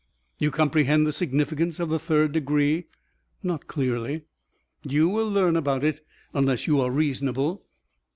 "You comprehend the significance of the third degree?" "Not clearly." "You will learn about it unless you are reasonable."